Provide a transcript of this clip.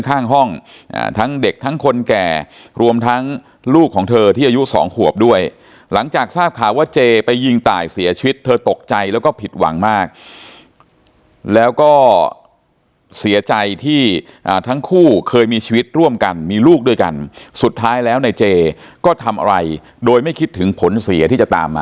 ข้างห้องทั้งเด็กทั้งคนแก่รวมทั้งลูกของเธอที่อายุสองขวบด้วยหลังจากทราบข่าวว่าเจไปยิงตายเสียชีวิตเธอตกใจแล้วก็ผิดหวังมากแล้วก็เสียใจที่ทั้งคู่เคยมีชีวิตร่วมกันมีลูกด้วยกันสุดท้ายแล้วในเจก็ทำอะไรโดยไม่คิดถึงผลเสียที่จะตามมา